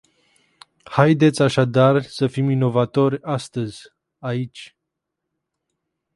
Haideți așadar să fim inovatori astăzi, aici.